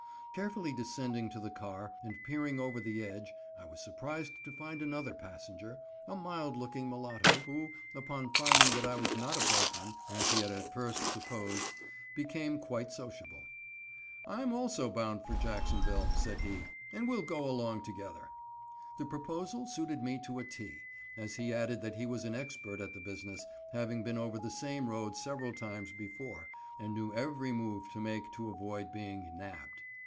Carefully descending to the car and peering over the edge I was surprised to find another passenger, a mild looking mulatto, who, upon finding that I was not a brakeman, as he at first had supposed, became quite sociable. "I'm also bound for Jacksonville," said he, "and we'll go along together." The proposal suited me to a T, as he added that he was an expert at the business, having been over the same road several times before, and knew every move to make to avoid being "nabbed."